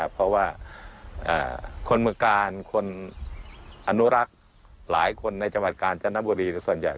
เพราะว่าคนเมืองกาลคนอนุรักษ์หลายคนในจังหวัดกาญจนบุรีส่วนใหญ่